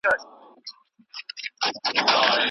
د ایوب تر لوند ګرېوانه